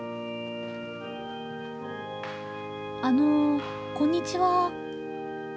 あのこんにちは。